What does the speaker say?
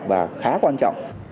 và khá quan trọng